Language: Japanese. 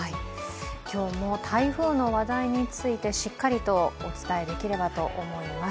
今日も台風の話題についてしっかりとお伝えできればと思います。